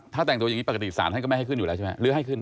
ถ้าแต่งตัวอย่างนี้ปกติศาลท่านก็ไม่ให้ขึ้นอยู่แล้วใช่ไหมหรือให้ขึ้น